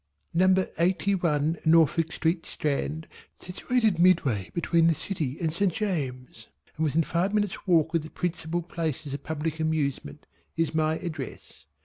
Number Eighty one Norfolk Street, Strand situated midway between the City and St. James's, and within five minutes' walk of the principal places of public amusement is my address.